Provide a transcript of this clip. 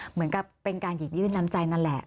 เหมือนกับเป็นการหยิบยื่นน้ำใจนั่นแหละ